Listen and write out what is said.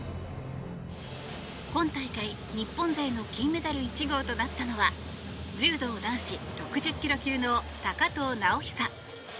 今大会、日本勢の金メダル１号となったのは柔道男子６０ｋｇ級の高藤直寿。